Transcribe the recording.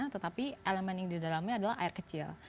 tetapi elemen yang di dalamnya adalah air kecil